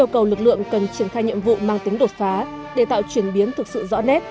cầu lực lượng cần triển khai nhiệm vụ mang tính đột phá để tạo chuyển biến thực sự rõ nét